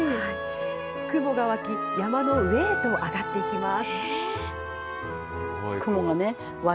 雲が湧き、山の上へと上がっていきます。